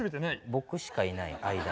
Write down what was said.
僕しかいない間が。